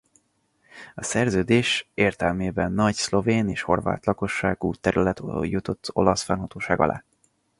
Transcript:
A szerződés értelmében nagy szlovén és horvát lakosságú terület jutott olasz fennhatóság alá.